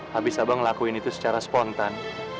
habis abang lakuin itu secara spontan